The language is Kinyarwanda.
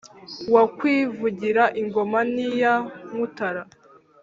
wakwivugira ingoma n'iya mutara